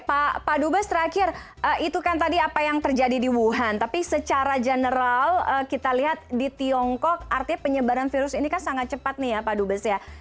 pak dubes terakhir itu kan tadi apa yang terjadi di wuhan tapi secara general kita lihat di tiongkok artinya penyebaran virus ini kan sangat cepat nih ya pak dubes ya